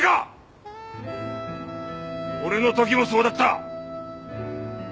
俺の時もそうだった。